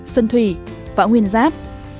trường thủy và nguyên giáp